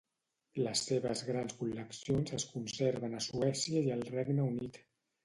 Les seves grans col·leccions es conserven a Suècia i al Regne Unit.